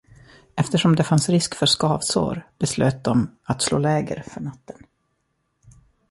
Eftersom det fanns risk för skavsår beslöt de att slå läger för natten.